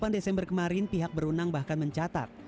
dua puluh delapan desember kemarin pihak berunang bahkan mencatat